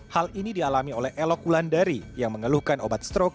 hal ini dialami oleh elok wulandari yang mengeluhkan obat stroke